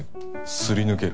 すり抜ける。